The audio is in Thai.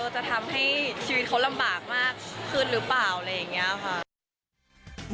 จะทำให้ชีวิตเขาลำบากมากขึ้นหรือเปล่าอะไรอย่างนี้ค่ะ